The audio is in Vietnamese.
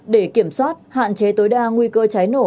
để kiểm soát hạn chế tối đa nguy cơ cháy nổ